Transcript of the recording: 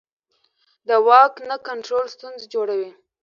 د واک نه کنټرول ستونزې جوړوي